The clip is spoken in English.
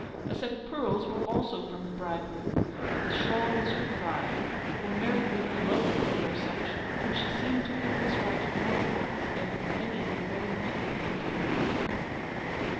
A set of pearls were also from the bridegroom; but the shawl was her pride, for married women alone could wear such, and she seemed to think this right of more importance than any the wedding ring could confer upon her.